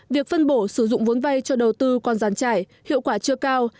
việc phân bổ sử dụng vốn vay cho đầu tư còn giàn trải hiệu quả chưa cao